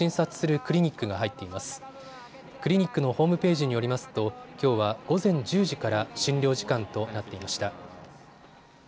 クリニックのホームページによりますと、きょうは午前１０時から診療時間となっていました。